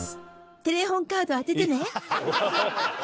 テレホンカード当ててね。